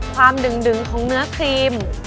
ความดึงของเนื้อครีม